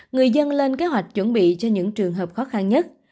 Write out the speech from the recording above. người dân lên kế hoạch chuẩn bị cho những trường hợp khó khăn nhất